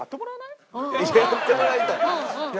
やってもらいたい。